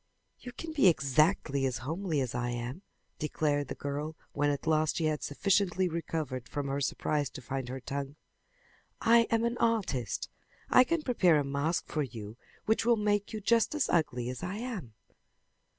"You can be exactly as homely as I am," declared the girl when at last she had sufficiently recovered from her surprise to find her tongue. "I am an artist. I can prepare a mask for you which will make you just as ugly as I am."